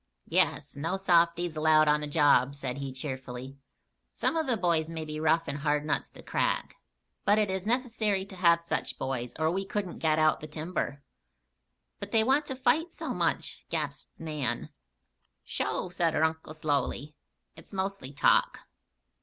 "Yes. No softies allowed on the job," said he, cheerfully. "Some of the boys may be rough and hard nuts to crack; but it is necessary to have just such boys or we couldn't get out the timber." "But they want to fight so much!" gasped Nan. "Sho!" said her uncle, slowly. "It's mostly talk.